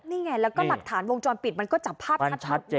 แล้วก็หลักฐานวงจรปิดมันก็จะพัด